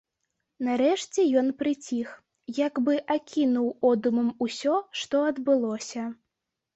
Нарэшце ён прыціх, як бы акінуў одумам усё, што адбылося.